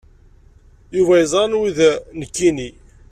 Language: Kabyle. Yuba yeẓra anwi d nekkni?